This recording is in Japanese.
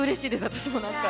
私も何か。